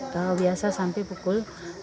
kalau biasa sampai pukul